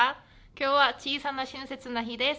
今日は小さな親切の日です。